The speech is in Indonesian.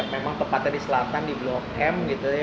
memang tempatnya di selatan di blok m